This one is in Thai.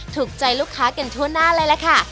ถูกใจลูกค้ากันทั่วหน้าเลยล่ะค่ะ